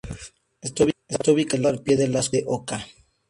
Está ubicado al pie de las colinas de Oka.